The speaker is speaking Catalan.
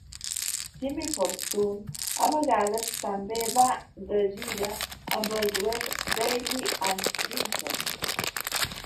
Jimmy Fortune a vegades també va de gira amb el duet "Dailey and Vincent".